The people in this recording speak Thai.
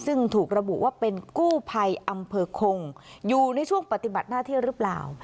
ซึ่งถูกระบุว่าเป็นกู้ภัยอำเภอคงอยู่ในช่วงปฏิบัติหน้าที่หรือเปล่า